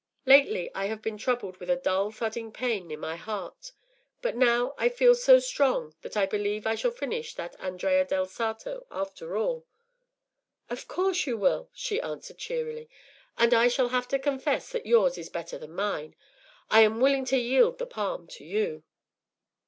Lately I have been troubled with a dull thudding pain near my heart; but now I feel so strong that I believe I shall finish that Andrea del Sarto after all.” “Of course you will,” she answered, cheerily, “and I shall have to confess that yours is better than mine! I am quite willing to yield the palm to you.